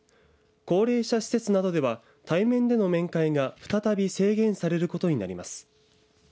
高齢者施設などでは対面での面会が再び制限されることになります。